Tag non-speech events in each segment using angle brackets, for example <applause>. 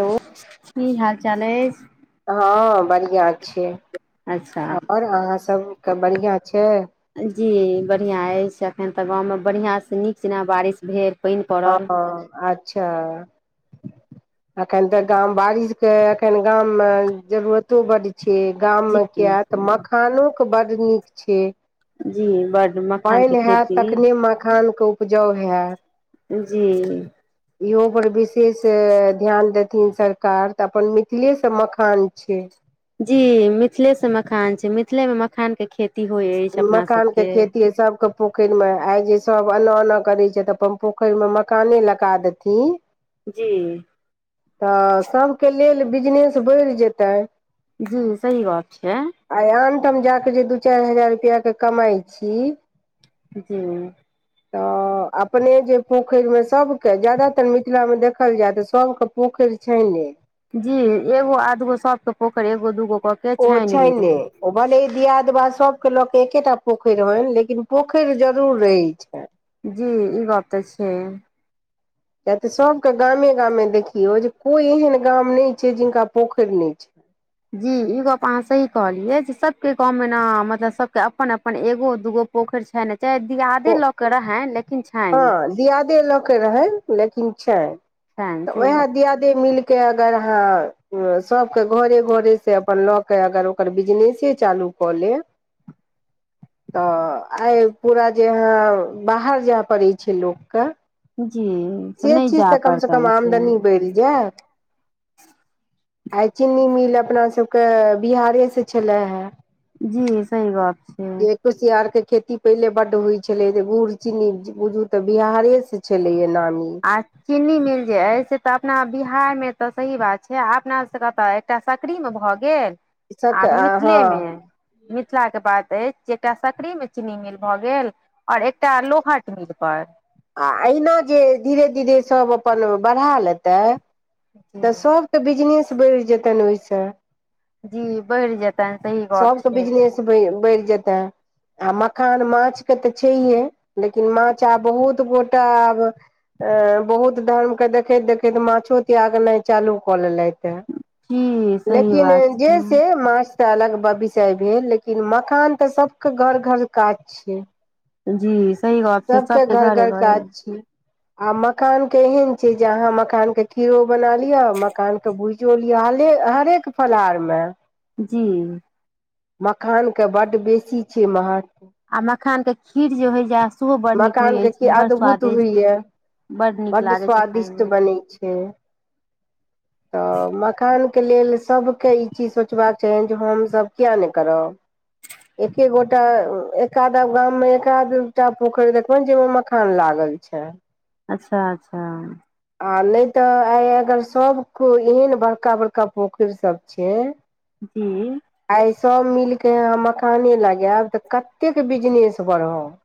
Hello की हाल चाल अछि हँ बढ़िआँ छै अच्छा आओर अहाँ सबके बढ़ियां छै जी बढ़िया अछि अखन तऽ गाँव मे बढ़िऑं से नीक जेना बारिश भेल पानि ह पड़ल अच्छा एखन तऽ गाम बारिशके एखन गाममे जरूरतो बड छै जी गाममे किया तऽ मखानोके बड्ड नीक छै जी बड्ड मखानके पानि हेत खेती तखने मखान के उपजाउ हेत जी इहो पर विशेष ध्यान देथिन सरकार तऽ अपन मिथिलेसँ मखान छै जी मिथिले से मखान छै मिथिले मे मखान के खेत छी होय मकान के खेती हय सबके पोखरि में आय जे सब एना ओना करे छै त अपन पोखरि में मकाने लगा देथिन जी तऽ सभके लेल बिजनेस बढ़ि जेतै जी सही बात छै आइ आनठाम जाक जे दू चारि हजार रुपया क कमाइ छी जी तऽ अ अपने जे पोखरिमे सभके ज्यादातर मिथिलामे देखल जाय तऽ सभके पोखेर छै ने जी एगो आधगो सबके पोखरि एगो दूगो के ओ छै छानिहे ने ओ भले दियादबा सभके लऽ के एकेटा पोखरि हनि लेकिन पोखरि जरूर रहै छनि जी ई बात तऽ छै किया ते सब के गामे गामे देखियो जे कोई एहन गाम न छै जिनका पोखरि न छै जी ई गप आहाँ सही कहलियै जे सभके गाँवमे ने मतलब सभके अपन अपन एगो दूगो पोखरि छैने ओ हँ छनि दियाादे लऽ के रहै लेकिन छै छनि तऽ सही गप उहाई दिया छै दे मिलके के अगर अहां सब के घरे घरे से अपन ल के अगर ओकर बिजनेसे चालू कले तऽ आइ पूरा जे अहाँ बाहर जाय पड़ै छै लोगके जी से नहि चीज जा तऽ कमसँ कम पड़तनि से आमदनी बढ़ि जायत आइ चीनी मील अपना सबके बिहारे से छले हे जी सही बात छै <unintelligible> कुसियार के खेती पहिले बड होई छले गुड़ चीन्नी बुझु ते बिहारे से छलेय नामी आ चीनी मिल जे अय से तऽ अपना बिहार मे तऽ सही बात छै अपना सबके तऽ एकटा सकरी मे भए गेल आ मिथिले हँ मे मिथिला के बात अछि ऐकटा सकरी मे चीनी मिल भए गेल और एकटा लोहाट मिल पर आ अहिना जे धीरे धीरे सभ अपन बढ़ा लेतै जी तऽ सभके बिजनेस बढ़ि जेतन ओहिसँ जी बैढ़ जेत सभके बिजनेस बढ़ि जेतै आ मखान माछ के तऽ छैहे लेकिन माछ आब बहुत गोटा आब अ बहुत धर्म के देखैत देखैत माछो त्याग नहि चालू कऽ लेलैत हे हु लेकिन जे से मास त अलग विषय भेल लेकिन मखान तऽ सबके घर घर काज छै जी सही गप छै सबके घर घरे घर घरे काज छै आ मखान के एहेन छै जे अहाँ मखान के खीरो बना लियअ मखान के भूजियो लिअ हाल हरेक फलाहार मे जी मखानके बड बेसी छै महत्व आ मखानके खीर जे होइए सेहो बड़ नीक होइत अछि बड़ स्वादिष्ट नीक बड लागे छै खाय स्वादिष्ट मे बनै छै तऽ मखान के लेल सबके ई चीज सोचबाक चाही जे हम सब कििया ने करब एके गोटा एक आध गाम में एकाध टा पोखरि देखबनि जे मे मखान मखान लागल छै अच्छा अच्छा आ नहि तऽ आ अगर सब कोअ एहन बड़का बड़का पोखरि सब छै जी आइ सब मिलके मखाने लगायएब तऽ कतेक बिजनेस बढ़त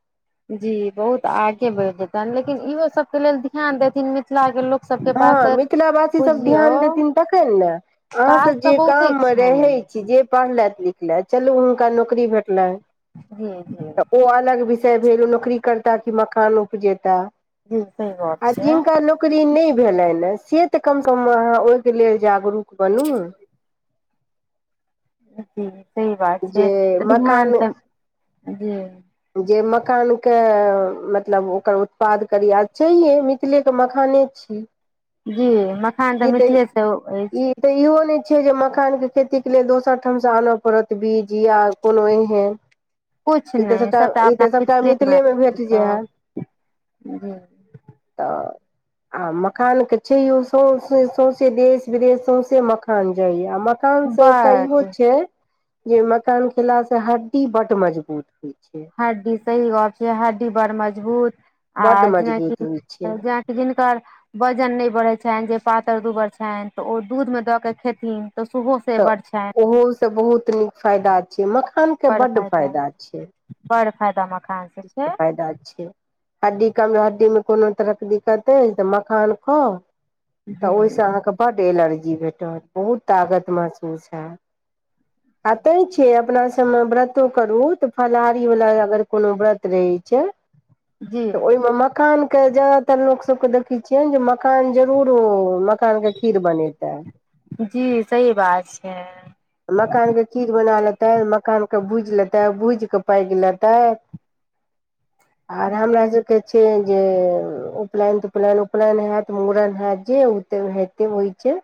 जी बहुत आगे बढ़ि जेतनि लेकिन इहो सबके लेल ध्यान देथिन मिथिला के लोक सबके पास हँ तऽ मिथिल वासी सब बुझियौ ध्यान देथिन तखन ने काज अहाँसभ तऽ जे बहुते गाम मे रहै छनि छी जे पढ़लन लिखलेथ चलू हुनका नौकरी भेटलनि जी जी त ओ अलग भेल नौकरी करता कि मखान उपजेता जी सही गप आ छै जिनका नौकरी नहि भेलै ने से तऽ कम स कम ओहिके लेल जागरूक बनू जी सह बात छै जे त मकान ध्यान त जे मखानके मतलब ओकर उत्पाद करी आ छैये मिथिलेके मखाने छै हु जी मखान त मिथिले से अछि त इहो नहि छै जे मखानके खेतीक के लेल दोसर ठामसँ आनय पड़त बीज या कोनो एहन किछु ई तऽ नहि सभटा सबटा ई अपना तऽ सभटा मिथिलेमे भेट जाइ हए सब जी तऽ आ मखान के छैो सौंसे देश विदेश सौंसे मखान जाइए य मखान से एकटा इहो बड छै जे मखान खेला से हड्डी बड मजबूत हई छै हड्डी सही गप छै हड्डी बड़ मजबूत बड्ड आर जेना मजबूत होइ छै की जीनकर वजन नहि बढ़ैत छनि जे पातर दुबर छनि तऽ ओ दूधमे दऽ केऽ खेथिन तऽ सेहो से तऽ बड़ छनि ओहोसँ बहुत नीक फायदा छैय मखान बड़ फायदा बड़ फायदा मखान से छै फायदा छै हड्डी कम हड्डी मे कोनो तरहके दिक्कत अछि त मखान खाअ तऽ जी ओहिसँ अहाँकेँ बड्ड एलर्जी भेटत बहुत ताकत महसूस हए आ तें छियै अपना सबमे व्रतो करू तऽ फलाहारी वालला अगर कोनो व्रत रहै छै जी त ओहिमे मखान मखान के जादातर लोक सब के देखे छियै जे मखान जरूर ओ माखन के खीर बनेताै जी सही बात छै मखानके खीर बना लेतै मखानके भूजि लेतै भूजि कऽ पाकि लेतै आराम राज छै से जे उपनयन तुपनयन उपनयन होयत मुड़न होयैत जे ओत होयत होइ छै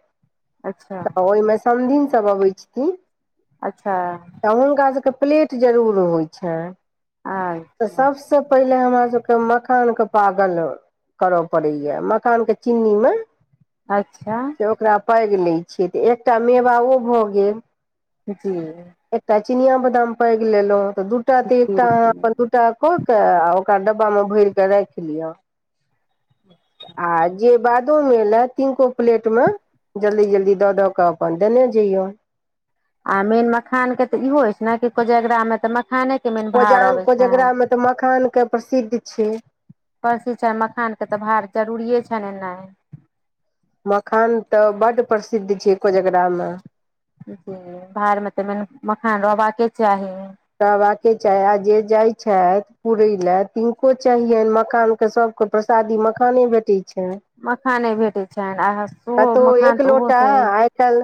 अच्छा तऽ ओहिमे समधिन सभ अबै छथिन अच्छा तऽ हुनका सबके प्लेट जरूर होइ छ तऽ सब अच्छा सबसँ पहिले हम आहा सबके मखान के पागल करय पड़ैएा मखानके चीन्नीमे अच्छा से ओकरा पैघि लै छियै तऽ एकटा मेवा ओ भऽ गेल जी एकटा चिनिया बादाम पैघि लेलहुँ ऽ दूटा ते जी एकटा अहाँ जी अपन दूटा क के आ ओकरा डब्बा मे भर के राख लिअ ह आ जे बादोमे एले तीननको प्लेट मे जल्दी जल्दी दऽ दऽ कऽ अपन देने जहियौ आ मेन मखान के तऽ इहो होय छै ने कि कोजगरा में तऽ मखाने के मेन भार कोजांग अबै कोजगरा मे छनि तऽ मखान के प्रसिद्ध छै परसो छनि मखान के तऽ भार जरूरिे छनि एना मखान तऽ बड प्रसिद्ध छै कोजगरा मे जी बाहर मे तऽ मेन मखान रहबाक के चाही तबाके चाह आ जे जाइ छथि पुरै ल तनको चाहियनि मकानके सभ ओकर प्रसादी मखाने भेटैत छै मखाने भेटैत छनि आ सेहो मखान तऽ ओहो से कल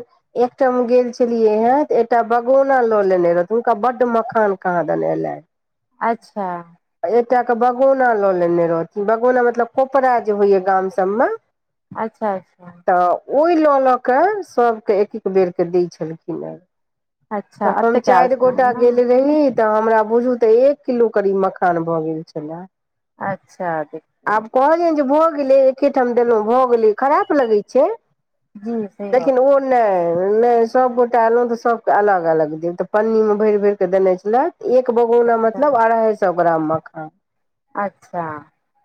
एकटाम गेल छलियै हेँ त एकटा बगौना लऽ लेने रहथि हुनका बड मखान कहा देन एलैय अच्छा एकटा क बगौना लऽ लेने रहथिन बगौना मतलब कोपरा जे होइया गाम सभमे अच्छा अच्छा तऽ ओहि लऽ लऽ कऽ सभके एक एक बेरके दै छलखिन अच्छा त हम एतेक आयल चारि छलनि गोटा ने गेलल रही तऽ हमरा बुझू तऽ एक किलो करीब मखान भऽ गेल छलाह अच्छा आब देखियौ कहलियनि जे भऽ गेलै एके ठाम देलहुँ भऽ गेलै खराब लगये छै जी से गप लेकिन ओ नहि नहि सभगोटा एयलहुँ तऽ सबके अलग अलग देब तऽ पन्नीमे भरि भरिकऽ देने छलै एक बगौना मतलब अढ़ाई सए ग्राम मखान अच्छा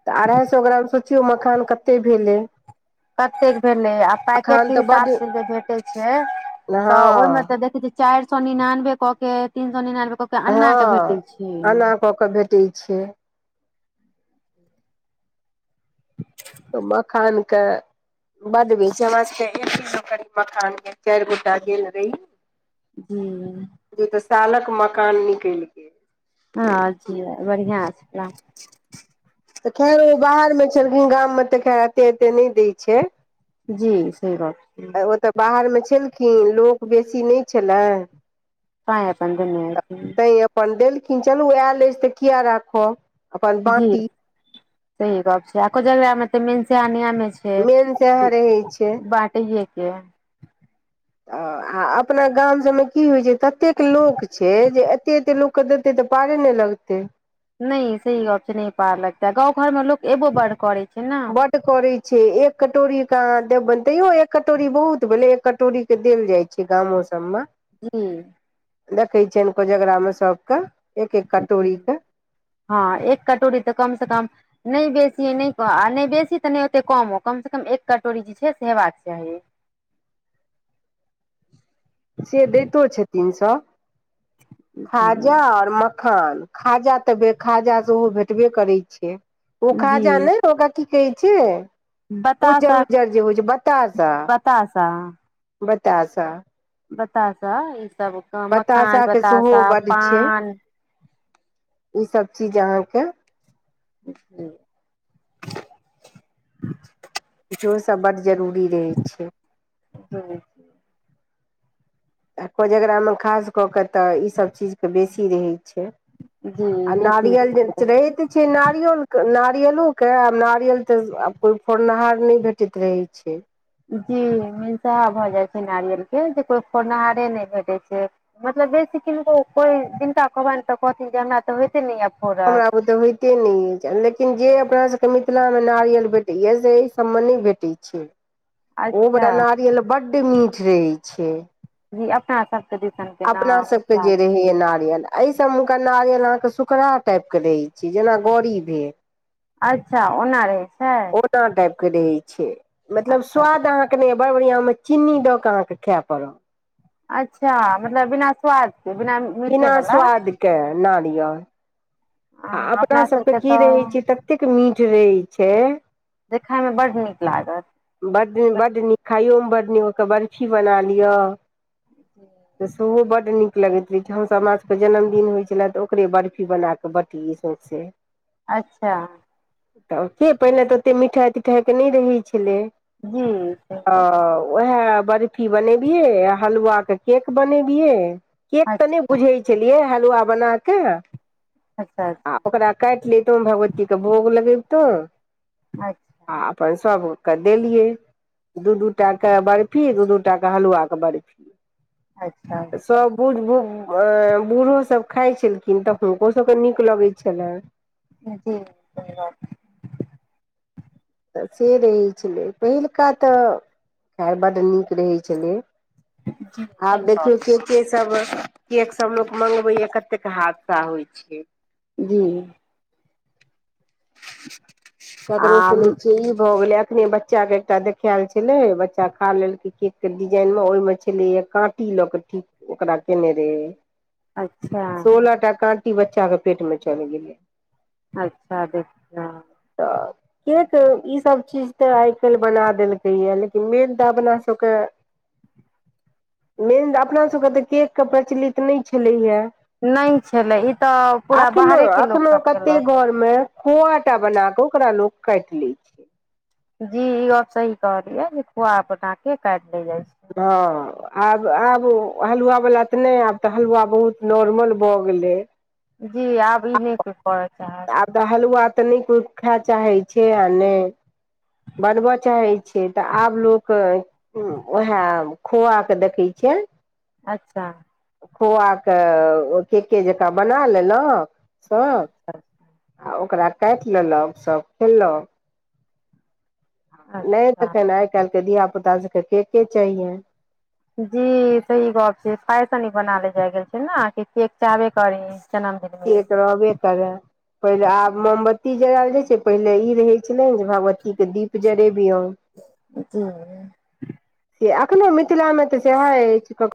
तऽ अढ़ाइ सए ग्राम सोचियौ मखान कते भेलै कतेक भेलै आ पैकेट मखान के तऽ हिसाब बड्ड से जे भेटै छै तऽ ओहिमे हँ तऽ देखैत छी चारि सए निनानबे कऽ के तीन सए निनानबे कऽ के अन्ना के भेटे छै के भेटैत छै त मखानके <inaudible> हमरा सब के मखान के चारि गोटा गेल रही हू इ तऽ सालक मकान निकल गेल हँ जी बढ़िआँ छै तऽ खैर ओ बाहर मे छलखिन गाम में तऽ खैर एते एते नहि दै छै जी सही गप छै ओ तऽ बाहरमे छलखिन लोक बेसी नहि छलए तैय अपन देने हेथिन तहि अपन देलखिन चलू आयल अछि तऽ किया राखब अपन जी बाँटी सही गप छै आ कोजगरा मे त मेन से नियमे छै मेन सएह रहै छै बाँटैेयेके छै आ आ अपना गाम सबमे की होइ छै ततेक लोक छै जे एते एते लोकके देतै तऽ पारे नहि लगतै नहि सही गप छै न पार लगते गाँव घर में लोक एबो बड़ करे छै ने करे छै एक कटोरी के अहाँ देबनि तैयो एक कटोरी बहुत भेले एक कटोरी के देल जाइ छै गामो सबमे हूँ देखे छियनि कोजगरा मे सब के एक एक कटोरी के हँ एक कटोरी तऽ कम से कम नहि बेसी नहि आ नहि बेसी तऽ नहि ओतेक कमो कमसँ कम एक कटोरी जे छै से हेबाक चाही से दैतो छतीन सब खाजा आओर मखान खान खाजा तऽ खाजा से ओ भेटबे करै छै ओ जी खाजा नहि ओकरा की कहै छै बताशा उज्जर उज्जर जे होइ छै बतासा बताशा बताशा बताशा ई सबके बतासा मखान के सेहो बताशा बड्ड छै पान ई सब चीज अहाँके <unintelligible> इहो सब बड जरूरी रहै छै ह आ कोजगरामे खास कऽ कऽ तऽ ईसभ चीजके बेसी रहै छै जी आ बेसी नारियल जे रहैत छै नारियल नारियलोक के आ नारियल तऽ कोइ फोड़नहार नहि भेट उचित रहै छै जी मिंसाहा भऽ जाइ छै नारियल के जे कोई खोरनहारे नहि भेटै छै मतलब बेसी किनको कोई जिनका कहबनि तऽ कहथिन जे हमरा तऽ होइते नहि य हमरा बुते होइ एतेक नहि अछि लेकिन जे अपना सबके मिथिलामे नारियल भेटैए से एहि सभमे नहि भेटै छै ओ बला अच्छा नारियल बड्ड मीठ रहै छै जी अपना सबके दिसन के अपना नाम सबके मिथिला ज रहे के ह य नारियल सबके नारियल अहाँके सखड़ा टाइप के रहे छी, जेना गड़ी भेल। अच्छा ओना रहे छै मतलब अच्छा स्वाद अहाँके नहि बढ़ैए। बड़ बढ़ियां मे चीन्नी दऽ के अहाँके खाय पड़त अच्छा मतलब बिना स्वाद के बिना बिना मीठे वला स्वादके नारियल आ हँ अपना अपनासभके सबके की रहै छै तऽ एतेक मीठ रहे छै देखय मे बड नीक लागत बड्ड न बड्ड नीक खाइयोमे बड्ड नीक ओकर बर्फी बना लिअ तऽ सुू ब बड नीक लगैत रहे छै हमस हमरा सबके के जन्मदिन होय छले तऽ ओकरे बर्फी बना क बटीेली सौंसे <inaudible> अच्छा तऽ के पहिनेे तऽ ओते मिठाइ तिठाइ के नहि रहै छलै जी ओ ओएह बर्फी बनेबियै आ हलुआके केक बनेबियै केक तऽ नहि अच्छा बुझै छलियै हलुआ बना कऽ अच्छा आ अच्छा ओकरा काटि लेतहु भगवतीके भोग लगेबितहुँ अच्छ ह अपनस क देलियै दू दूटा के बर्फी दू दूटा के हलुआ के बर्फी अच्छा सभ बुढ़ु बूढ़ो सभ खाई छलखिन तऽ हुनको सभके नीक लगै छलनि जी धन्यवाद तऽ से रहैत छलै पहिलुका तऽ खैर बड्ड नीक रहै छलै जी सही आब बात देखियौ केकेसभ केक सब लोक मंगबैय कतेक हादसा होइ छै जी ककरो आम सुनै छियै ई भऽ गेलै अपने बच बच्चा के एकटा देखायल छले बच्चा खा लेलकै केक के डिजाईन मे ओहि में छले या काँटी ल के ठ <unintelligible> ओकरा केने रहे अच्छा सोलह टा काँटी बच्चा के पेट में चलि गेलै अच्छा जी <unintelligible> तऽ केक ईसभ चीज तऽ आई काल्हि बना देलकैए लेकिन मेन तऽ अपना सभके मेनऽ अपना सबके तऽ केकके प्रचलित नहि छलैए नहि छलै ई तऽ पूरा एखनो बाहरे के लोक एखनो सब केलक कते घर मे खोआटा बना के ओकरा लोक काटि ली जी ई गप सही कहलियै जे खुआ बना के काटि लेल जाय छै हं आब आब हलुआवला तऽ नहि आब तऽ हलुआ बहुत नॉर्मल भऽ गेलै जी आब ई नहि कोय करऽ चाहब आब त हलुआ तऽ नहि खाय चाहै छै आ नहि बनब चाहै छैै तऽ आब लोक उएह खुआ के देखैत छियै अच्छा खोआ कऽ केके जकाँ बना लेलौ सब अच्छा आ ओकरा काटि लेलक सब खेलक नहि अच्छा तखन आय काल्हि के धिया पुता सबके केके चाहियन जी, सही गप छै। फैशन ई बना लै जाय गेल छै जे कि केक चाहबे करी। जन्मदिन केक मे रहबे करै पहिले आब मोमबत्ती जरायल जाय छै पहिले ई रहै छले ने जे भगवतीक के दीप जरेबियौ जी से एखनो मिथिला मे तऽ सएह अछि कख